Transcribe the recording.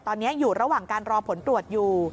ตอนนี้อยู่ระหว่างการรอผลตรวจอยู่